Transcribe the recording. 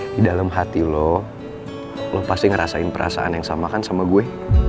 di dalam hati lo lo pasti ngerasain perasaan yang sama kan sama gue